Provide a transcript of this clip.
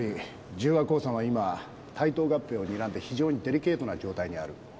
十和興産は今対等合併をにらんで非常にデリケートな状態にある。